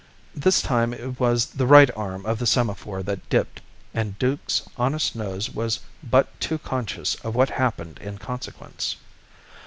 This time it was the right arm of the semaphore that dipped and Duke's honest nose was but too conscious of what happened in consequence.